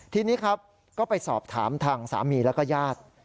ทีนี้ครับก็ไปสอบถามทางสามีแล้วก็ญาติ